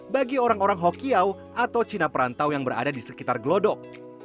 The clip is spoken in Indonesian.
bagi orang orang hokiau atau cina perantau yang berada di sekitar gelodok